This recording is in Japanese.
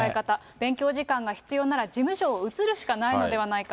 勉強時間が必要なら、事務所を移るしかないのではないか。